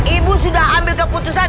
ibu sudah ambil keputusan